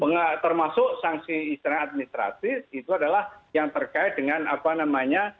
ya termasuk sangsi istrinya administrasi itu adalah yang terkait dengan apa namanya